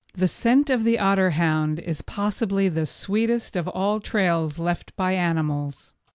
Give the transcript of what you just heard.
The scent of the otter is possibly the sweetest of all trails left by animals.